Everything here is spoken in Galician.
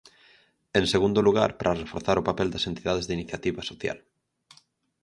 En segundo lugar, para reforzar o papel das entidades de iniciativa social.